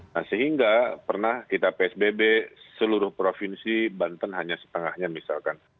nah sehingga pernah kita psbb seluruh provinsi banten hanya setengahnya misalkan